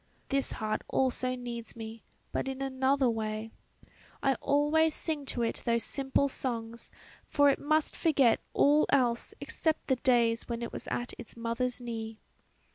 This heart also needs me, but in another way; I always sing to it those simple songs, for it must forget all else except the days when it was at its mother's knee."